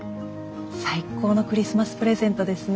最高のクリスマスプレゼントですね。